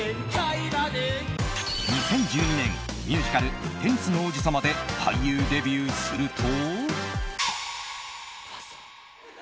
２０１２年、ミュージカル「テニスの王子様」で俳優デビューすると。